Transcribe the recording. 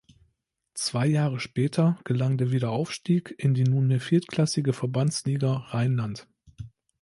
Zwei Jahre später gelang der Wiederaufstieg in die nunmehr viertklassige Verbandsliga Rheinland.